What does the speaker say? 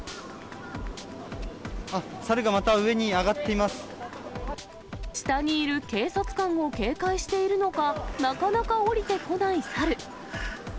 あっ、下にいる警察官を警戒しているのか、なかなか下りてこない猿。